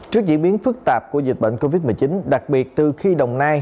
trước diễn biến phức tạp của dịch bệnh covid một mươi chín đặc biệt từ khi đồng nai